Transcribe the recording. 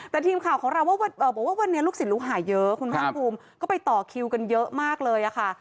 แต่ทีมข่าวของเราว่าว่าว่าวันนี้ลูกศิลป์ลูกหาเยอะครับคุณพันธ์ภูมิก็ไปต่อคิวกันเยอะมากเลยอ่ะค่ะ